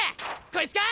こいつか？